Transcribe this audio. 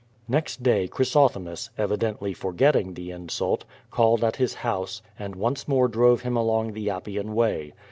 Next day (Jhrysosthemis, evidently forgetting the insult, called at his house, and once more drove him along the Ap pian Way.